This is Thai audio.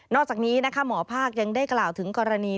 อกจากนี้นะคะหมอภาคยังได้กล่าวถึงกรณี